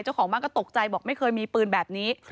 เจ้าของบ้านก็ตกใจบอกไม่เคยมีปืนแบบนี้